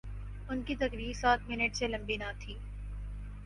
ان کی تقریر سات منٹ سے لمبی نہ تھی۔